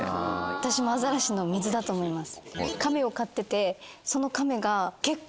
私もアザラシの水だと思います。